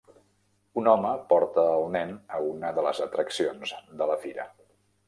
Un home porta al nen a una de les atraccions de la fira.